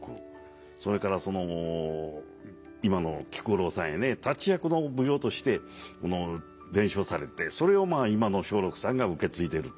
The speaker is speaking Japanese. それから今の菊五郎さんへね立役の舞踊として伝承されてそれを今の松緑さんが受け継いでると。